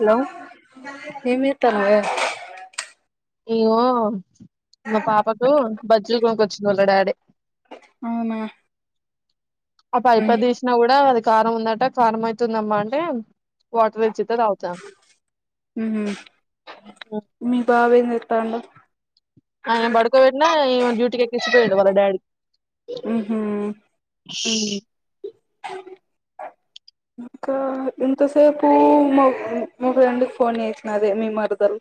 Hello ఏమి చెత్తన్నవే ఇగో మా పాపకు బజ్జీలు కొనుక్కొచ్చిండు వాళ్ళ డాడీ అవునా అ ఉమ్ పైపదీస్ న గుడా అది కారం ఉందట, కారం ఐతుందమ్మా అంటే, వాటర్ తేచ్చితే తాగుతాం ఉహు మీ బావ ఏం చేత్తాండు? ఆయన బడుకోబెట్టినా, ఈమేని డ్యూటీకి ఎక్కించి పోయిండు వాళ్ళ డాడీ ఉహు ఇంకా ఇంతసేపు మ మా ఫ్రెండ్ ఫోన్ చేసిన అదే మీ మరదల్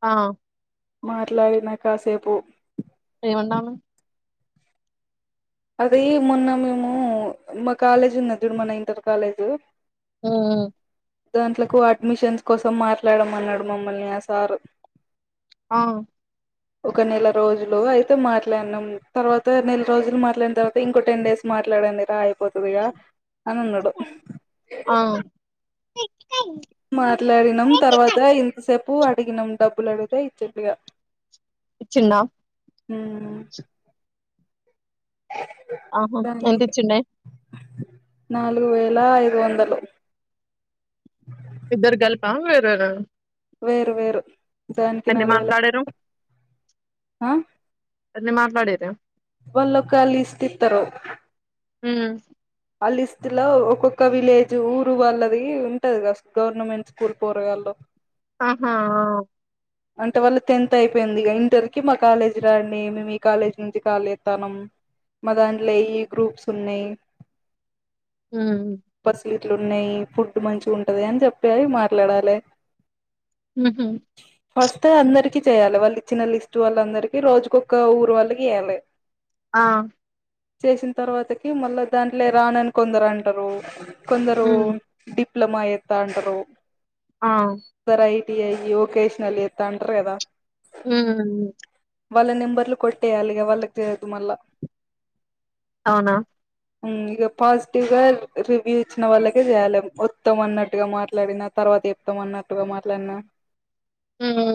ఆ మాట్లాడిన కాసేపు ఏమంటాంది? అది మొన్న మేము, మా కాలేజ్ ఉన్నది జూడు మన ఇంటర్ కాలేజు. ఉమ్ దాంట్లకు అడ్మిషన్స్ కోసం మాట్లాడమన్నడు మమ్మల్ని ఆ సారు. ఆ ఒక నెల రోజులు అయితే మాట్లాడినం, తర్వాత నెల రోజులు మాట్లాడిన తర్వాత ఇంకో టెన్ డేస్ మాట్లాడండిరా అయిపోతదిగా అని అన్నడు. అవు మాట్లాడినం తర్వాత ఇంతసేపు అడిగినం డబ్బులు అడుగితే ఇచ్చిండిగా. ఇచ్చిండా? ఉమ్ ఆహ దానికి ఎంతచ్చిండే? నాలుగు వేల ఐదు వందలు అ ఇద్దరికీ గల్పా వేరువేర? వేర వేరు దానికి ఎన్ని నాలుగు వేల మాట్లాడిర్రు, ఆ ఎన్ని మాట్లాడిర్రె? వాళ్ళోక లిస్ట్ ఇత్తరు. ఉమ్ ఆ లిస్టు లో ఒక్కొక్క విలేజ్ ఊరు వాళ్ళది ఉంటది గా, గవర్నమెంట్ స్కూల్ పోరగాళ్ళు ఆహా ఆ ఓ అంటే వాళ్ళు తెన్త్ అయిపోయింది ఇగ, ఇంటర్ కి మా కాలేజీ రాండి, మేము ఈ కాలేజ్ నుంచి కాల్ చేత్తాన్నం. మా దాంట్ల ఈ గ్రూప్స్ ఉన్నయి ఉమ్ ఫసిలిట్లు ఉన్నయి, ఫుడ్ మంచిగ ఉంటది అని చెప్పేది మాట్లాడాలె. ఉహు ఫస్టె అందరికీ చేయాలే, వాళ్ళు ఇచ్చిన లిస్ట్ వాళ్ళందరికి రోజుకొక్క ఊరు వాళ్ళకి చేయాలె. ఆ చేసిన తర్వాతకి మళ్ళా దాంట్ల రానని కొందరు అంటరు. కొందరు ఉమ్ డిప్లమ ఏత్త అంటరు. ఆ ఒకసారి ఐ టీ ఐ యో, ఒకేషన్ల్ చేత్త అంటరు గదా. హ్ము వాళ్ళ నెంబర్లు కొట్టేయాలిగా వాళ్ళకి చేయద్దు మళ్ళా. అవునా ఉమ్ ఇగ పాజిటివ్ గా రివ్యూ ఇచ్చిన వాళ్ళకే జెయ్యాలే వొ వొత్తం అన్నట్టుగా మాట్లాడినా తర్వాత చెప్తం అన్నట్టుగా మాట్లాడినా. హ్మూ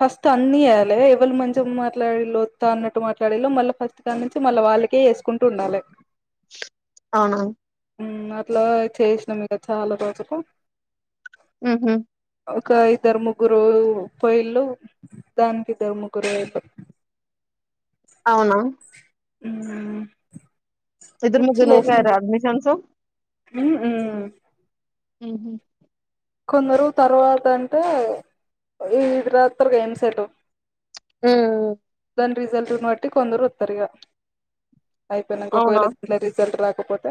ఫస్ట్ అన్నీ జెయ్యాలే ఎవళు మంచిగ మాట్లాడిన్లో వొత్తా అన్నట్టు మాట్లాడిన్లో మళ్ళ ఫస్ట్. కాడ్నుంచి మళ్ళా వాళ్ళకే చేసుకుంటూ ఉండాలే. అవునా ఊ అట్లా చేశినం ఇగా చాలా రోజుకు ఊహు ఒకా ఇద్దరు ముగ్గురూ పొయిన్లు దానికి ఇద్దరు ముగ్గురు పొయిన్లు. అవునా ఇద్దరు ముగ్గురు పిచ్చిలేసింది. ఒకేరా అడ్మిషన్స్ హ్ము ఊ ఊహు కొందరు తర్వాత అంటే ఇది రాతరుగా ఎమ్ సెటు. ఊ దాని రిజల్ట్నున్ బట్టి కొందరు వత్తరు ఇగా. అయిపోయినంక అవునా ఒకవేళ ఇట్ల రిజల్ట్ రాకపోతే.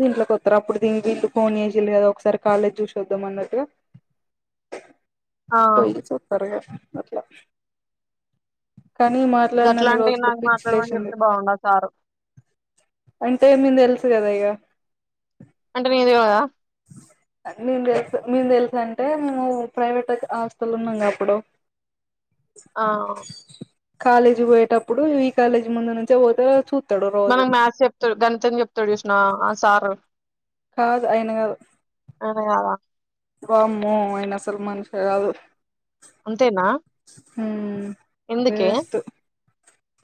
దీట్లోకి వత్తరు అప్పుడు దీనికి ఇటు ఫోన్ జేశిన్లు గదా ఒకసారి కాలేజ్ చూశి వద్దాం అన్నట్టుగా. ఆ పొయ్యి చూత్తరు ఇగా అట్లా. కానీ మాట్లాడినన్ని గట్లాంటివి రోజులు నాకు పిచ్చి మాట్లాడమని లేశింది. చెప్తే బాగుండదు సారు అంటే ఏమైంది తెల్సు గదా ఇగా అంటే నీకు తెల్వదా నేను తెల్సు మేం తెల్సు అంటే మేమూ ప్రైవేట్ హాస్టల్ ఉన్నాంగా అప్పుడూ. ఆ కాలేజీ పోయేటప్పుడు ఈ కాలేజీ ముందు నుంచే పోతే చూత్. మనకు మ్యాథ్స్ చెప్తడు గణితం చెప్తడు చూశినవా ఆ సారు. కాదు ఆయిన గాదు ఆయన గాదా వామ్మో ఆయిన అసలు మనిషే గాదు. అంతేనా హ్మూ ఎందుకే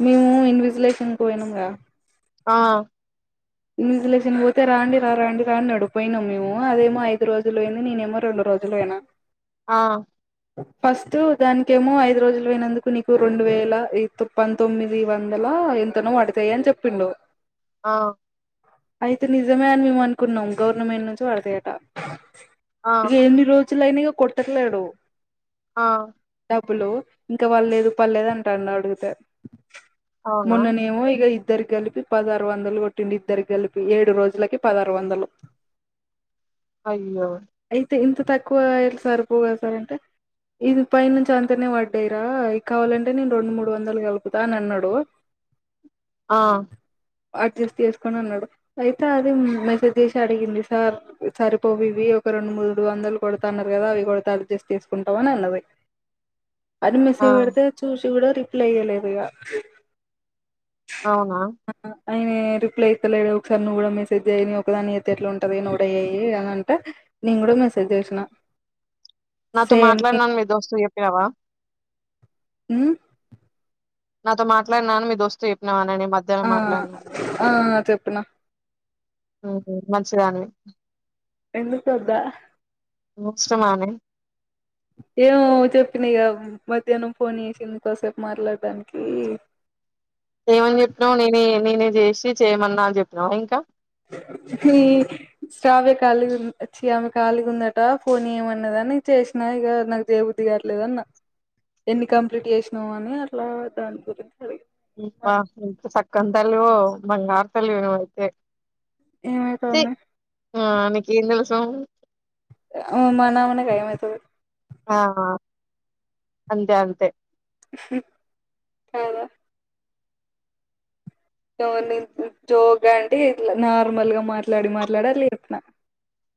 మేమూ ఇన్విజిలేషన్కి పోయినంగా. ఆ ఇన్విజిలేషన్ కి పోతే రాండి రా రాండి రా అన్నడు పోయినం మేమూ అదేమో ఐదు రోజులు పోయింది నేనేమో రెండు రోజులు పోయినా. ఆ ఫస్టు దానికేమో ఐదు రోజులు పోయినందుకు నీకు రెండు వేలా ఈతు పంతొమ్మిది వందలా ఎంతనో పడతయి అని చెప్పిండు. ఆ అయితే నిజమే అని మేము అనుకున్నం గవర్నమెంట్ నుంచి పడతయటా. ఆ ఎన్ని రోజులయినా ఇగ కుడతటలేడు ఆ డబ్బులు ఇంకా వడలేదు పడలేదు అంటాన్నాడు అడుగితే అవునా మొన్ననేమో ఇగ ఇద్దరికి కలిపి పదహారు వందలు గో ట్టిండు ఇద్దరికి గలిపి ఏడు రోజులకి పదారు వందలు అయ్యో అయితే ఇంత తక్కువ ఎట్ల సరిపోవుగద సార్ అంటే ఇది పై నుంచి అంతనే పడ్డయిరా ఈ కావాలంటే నేను రెండు మూడు వందలు కలుపుతా అని అన్నాడు ఆ అడ్జస్ట్ చేసుకోండి అని అన్నాడు అయితే అది మెసేజ్ చేసి అడిగింది సార్ సరిపోవు ఇవి ఒక రెండు మూడు వందలు కొడతా అన్నారు కదా అవి కొడతా అడ్జస్ట్ చేసుకుంటాం అని అన్నది అది ఆ మెసేజ్ పెడితే చూసి కూడా రిప్లై ఇయ్యలేదు ఇగ అవునా అయినేరు ప్లేత్తలేడు ఒకసారి నువ్వు కూడా మెసేజ్ చెయ్ నే ఒక్క దాన్ని చేత్తే ఎట్లాంటది నువ్వు గూడా చెయ్యి అని అంటే నేను గూడా మెసేజ్ జేసినా నాతో మాట్లాడినను మీ దోస్తుకు చెప్పినావా ఊ నాతో మాట్లాడినావని మీ దోస్తు తో చెప్పినావానని ఈ మద్ ఆ ఆ చెప్పినా ఊహూ మంచిదానివి ఎందుకొద్దా మోక్షమానే ఏమో చెప్పినా ఇగ మధ్యానం ఫోన్ చేసింది కాసేపు మాట్లాడడానికి ఏమని చెప్పినావు నేనే నేనే చేసి చేయమన్నా అని చెప్పినావా ఇంకా హీ శ్రావ్య ఖాళీగున్ ఛీ ఆమె ఖాళీగుందట ఫోన్ ఏమన్నదని చేసినా ఇగ నాకు జేబు ద్ది గాట్లేదన్న ఎన్ని కంప్లీట్ చేసినావు అని అట్లా దాని గురించి అడి ఉమ్ బా ఇంత సక్కని తల్లివో బంగారు తల్లివి నవ్వయితే ఏమైతాంది ఆమెకి ఏం తెలుసు ఆ మనమున్నగా ఏమైతది ఆ ఆ అంతే అంతే కాదా జోగ్ అంటే నార్మల్ గా మాట్లాడి మాట్లాడి అట్ల చెప్పినా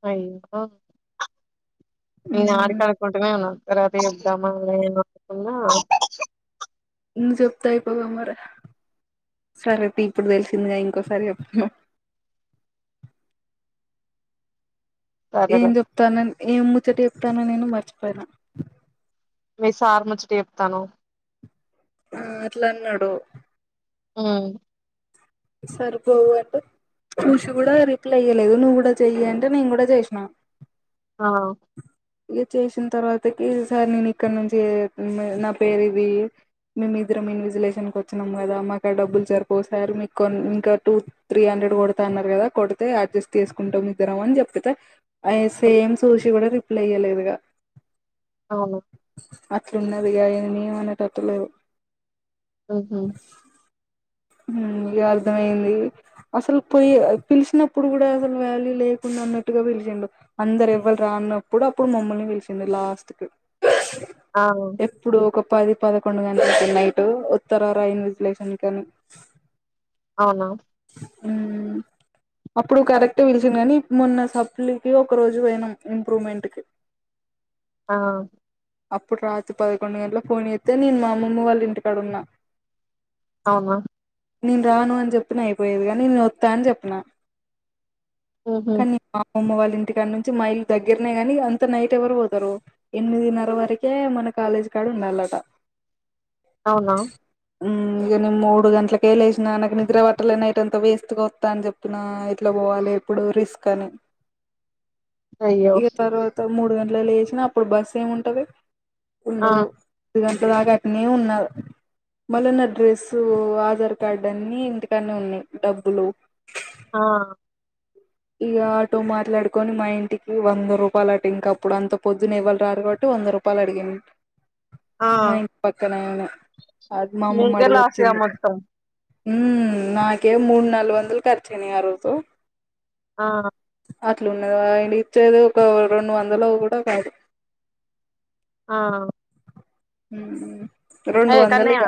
అ ఇంకో నేను ఆడికనుకుంటునే తరవాతకి చెబ్దామా [unintelligible] ముందు చెప్తే అయిపోవుగా మరి సరే తీ ఇప్పుడు తెలిసిందిగా ఇంకోసారి చెప్తున్నా ఏం సరేలే చెప్తానన్ ఏం ముచ్చట చెప్తానా నేను మర్చిపోయినా మీ సార్ మచ్చట చెప్తాన్నావ్ ఆ అట్లన్నడు ఊ సరిపోవు అంటే చూషి కూడా రిప్లై ఇయ్యలేదు నువ్వు కూడా చెయ్యి అంటే నేను కూడా చేసినా అ ఇగ చేసిన తర్వాతకి సార్ నేను ఇక్కడ నుంచి నా పేరు ఇది మేము ఇద్దరం ఇన్విజిలేషన్కి వచ్చినాం కదా మాకు డబ్బులు సరిపోసారు మీకు కొ ఇంకా టూ త్రీ హండ్రెడ్ కొడతా అన్నారు కదా కొడితే అడ్జస్ట్ చేసుకుంటాం ఇద్దరం అని చెప్పితే అ సేమ్ సూషి కూడా రిప్లై ఇయ్యలేదుగా అవును అట్లున్నది ఇగ ఆయనను ఏం అనేటట్టు లేదు ఉ హ ఉమ్ ఇగ అర్థమయింది అసలు పోయి పిలిచినప్పుడు కూడా అసలు వాల్యూ లేకుండా అన్నట్టుగా పిలిచిండు అందరు ఎవ్వరు రాన్నప్పుడు అప్పుడు మమ్మల్ని పిలిసిండు లాస్ట్ కు అగో ఇప్పుడు ఒక పది పదకొండు గంటలకు నైటు వత్తర రా ఇన్విజిలేషన్ కానీ అవునా ఉమ్ అప్పుడు కరెక్ట్ పిలిచింది కానీ మొన్న సప్లి కి ఒక రోజు పోయినాం ఇంప్రూవ్మెంట్ కి ఆ అప్పుడు రాత్రి పదకొండు గంటలకు ఫోన్ చెత్తే నేను మా అమ్మమ్మవాళ్ళ ఇంటికాడ ఉన్నా అవునా నేను రాను అని చెప్పిన అయిపోయేది గానీ నే వత్త అని చెప్పిన ఉహు కానీ మా అమ్మమ్మ వాళ్ళ ఇంటికాడ నుంచి మా ఇల్లు దగ్గరనే కాని అంత నైట్ ఎవరు పోతారు ఎనిమిదిన్నర వరకే మన కాలేజీ కాడ ఉండాలట అవునా ఉమ్ ఇగ నేను మూడు గంటలకే లేసిన నాకు నిద్ర ప అట్లే నైట్ అంత వేస్ట్ గా వస్తా అని చెప్పిన ఇట్లా పోవాలి ఇప్పుడు రిస్క్ అని అయ్యో ఇగ తర్వాత మూడు గంటలకి లేసినా అప్పుడు బస్ ఏముంటది ఆ ఉండదు మూడు గంటల దాగా అటునే ఉన్నా మల్ల డ్రెస్సు ఆధార్ కార్డు అన్ని ఇంటి కాన్నె ఉన్నాయి డబ్బులు ఆ ఇగ ఆటో మాట్లాడుకొని మా ఇంటికి వంద రూపాయలు అట ఇంక అప్పుడు అంత పొద్దున ఎవ్వలు రారు కాబట్టి వంద రూపా పాలు అడిగిండు ఆ మా ఇంటి పక్కనయననే అది మా అమ్మమ్మ మీకే లాస్ గా అడిగోచ్చింది మొత్తం ఉమ్ నాకే మూడు నాలుగు వందలు ఖర్చుయినాయి ఆ రోజు ఆ అట్లుంనాది ఆయ ఇచ్చేది ఒక రెండు వందలు కూడా కాదు ఆ హ ఏ కన్నయా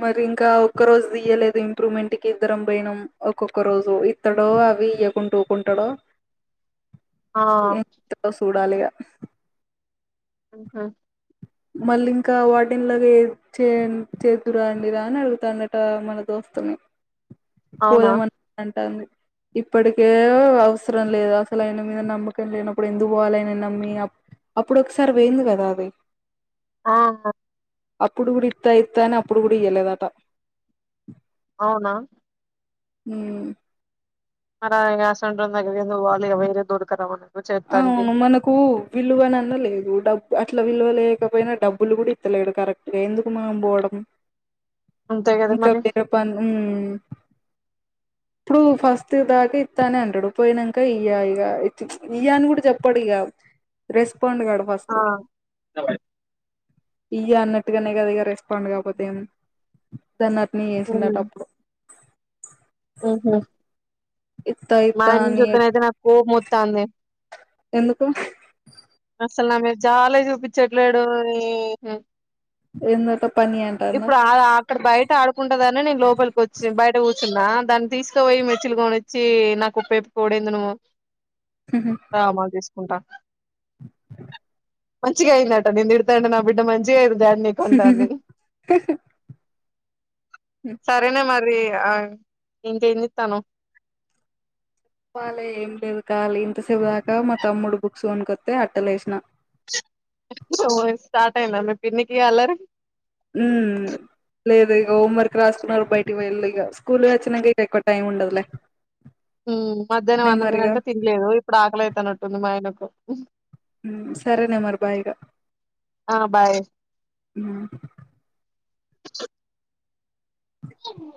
మరి ఇంకా ఒక్కరోజు తీయలేదు ఇంప్రూవ్మెంట్ కి ఇద్దరం పోయినాం ఒక్కొక్క రోజు ఇత్తడో అవి ఇయకుంట ఉకుంటాడో ఆ చూడాలిగా హా మళ్ళీ ఇంకా వాటిలాగ ఏదు చే చేదురండి రా అని అడుగుతాండట మన దోస్తుని అవునా పోదమని అంటంది ఇప్పటికే అవసరం లేదు అసలు ఆయన మీద నమ్మకం లేనప్పుడు ఎందుకు పోవాలీ ఆయనను నమ్మి అప్పుడు ఒకసారి వెంది కదా అది హ ఆ అప్పుడు కూడా ఇస్తా ఇస్తా అని అప్పుడు కూడా ఇయ్వలేదట అవునా హుమ్ మరి ఇగ అసోంటోని దగ్గరికి ఎందుకు వెళ్ళాలి దొరకరా ఆమెకు అవును మనకు విలువనన్నా లేదు డబ్బు అట్లా విలువ లేకపోయినా డబ్బులు కూడా ఇత్తలేడు కరెక్ట్ గా ఎందుకు మనం పోవడం అంతే కదా ఇంకా మరి వేరే పని ఉన్ ఇప్పుడు ఫస్ట్ దాకా ఇత్తనే అంటడు పోయినంక ఇయ్య ఇగ ఇతిక్ ఇయ్య అని కూడా చెప్పాడు ఇగ రెస్పాండ్ కాడు ఫస్ట్ ఆ ఇయ్య అన్నట్టుగానే కదా ఇగ రెస్పాండ్ కాపోతే ఏం దాన్ని అటేనే చేసిండట ఉమ్ అప్పుడు ఉహు ఇత్తా ఇత్తా మాఆయనను అని చెప్ చుత్తేనైతే నా కోపం మొత్తందే ఎందుకు అసలు నా మీద జాలే చూపించట్లేడు ఇహీమ్ ఏందట పని అంటాన్న ఇప్పుడు ఆ గా ఇక్కడ బయట ఆడుకుంటాదని నేను లోపలికి వచ్చి బయట కూర్చున్నా దాన్ని తీసుకుపోయి మెచ్చులుకొనిచ్చి నాకు ఉప్పఏప్పిపోవుడెంది నువ్వు హుహుం అమాలు తీసుకుంటా మంచిగా అయిందట నేను తిడితంటే నా బిడ్డ మంచిగా అయ్యింది డాడీ నీకు అంటాంది సరేనే మరి ఆ ఇంకేం జెత్తన్నావు చెప్పాలే ఏం లేదు కాలి ఇంతసేపు దాకా మా తమ్ముడు బుక్స్ కొనుకొత్తే అట్టలు ఏసిన ఓ స్టార్ట్ అయిందా మీ పిన్నికి ఇగ అల్లరి ఉమ్ లేదు ఇగ హోం వర్క్ రాసుకున్నారు బయటికి వెళ్ళు ఇగ స్కూలు పోయి వచ్చినంక ఇక ఎక్కువ టైం ఉండదులే మధ్యాహ్నం నే అన్నం మరిగా తినంటే తినలేదు ఇప్పుడు ఆకలితనట్టుంది మా ఆయనకు ఉమ్ సరే నీ మరి బాయ్ ఇగ ఆ బాయ్ ఇహ